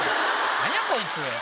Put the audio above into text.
何やこいつ！